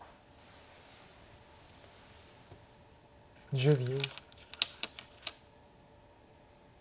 １０秒。